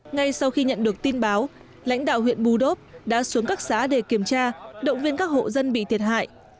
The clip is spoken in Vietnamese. ngay sau khi nhận được tin báo lãnh đạo huyện bù đốp đã xuống các xã để kiểm tra động viên các hộ dân bị thiệt hại